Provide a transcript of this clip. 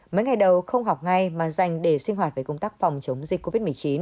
mấy ngày đầu không học ngay mà dành để sinh hoạt về công tác phòng chống dịch covid một mươi chín